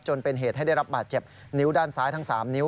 จนเป็นเหตุให้ได้รับบาดเจ็บนิ้วด้านซ้ายทั้ง๓นิ้ว